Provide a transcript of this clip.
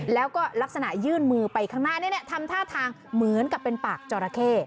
แล้วก็ลักษณะยื่นมือไปข้างหน้าทำท่าทางเหมือนกับเป็นปากจอราเข้